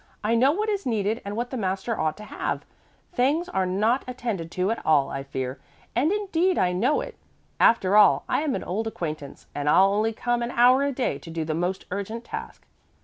"I know what is needed and what the master ought to have. Things are not attended to at all, I fear, and indeed I know it. After all I am an old acquaintance, and I'll only come an hour a day to do the most urgent task."